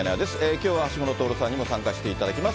きょうは橋下徹さんにも参加していただきます。